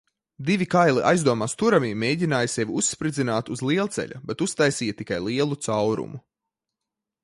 Divi kaili aizdomās turamie mēģināja sevi uzspridzināt uz lielceļa, bet uztaisīja tikai lielu caurumu.